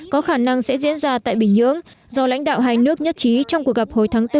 có khả năng sẽ diễn ra tại bình nhưỡng do lãnh đạo hai nước nhất trí trong cuộc gặp hồi tháng bốn